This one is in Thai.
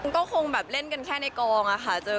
ก็คงแบบเล่นกันแค่ในกองอะค่ะ